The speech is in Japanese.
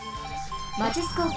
「マチスコープ」。